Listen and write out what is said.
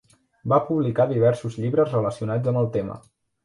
Va publicar diversos llibres relacionats amb el tema.